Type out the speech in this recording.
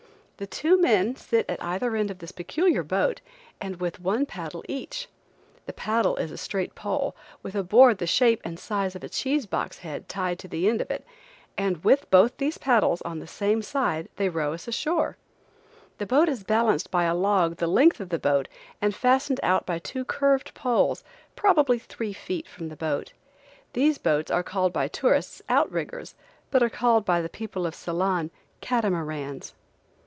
The two men sit at either end of this peculiar boat, and with one paddle each. The paddle is a straight pole, with a board the shape and size of a cheese box head tied to the end of it, and with both those paddles on the same side they row us ashore. The boat is balanced by a log the length of the boat and fastened out by two curved poles, probably three feet from the boat. These boats are called by tourists, outriggers, but are called by the people of Ceylon, catamarans.